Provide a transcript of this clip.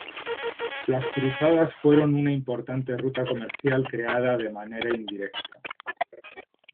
Las Cruzadas fueron una importante ruta comercial creada de manera indirecta.